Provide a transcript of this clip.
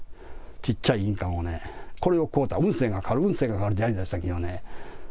ちっちゃい印鑑をね、これを買うたら運勢が変わる、運勢が変わる言うてはりましたけどね。